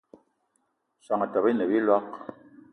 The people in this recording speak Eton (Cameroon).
Soan Etaba ine a biloig